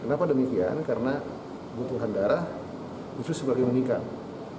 kenapa demikian karena butuhan darah itu sebagai menikah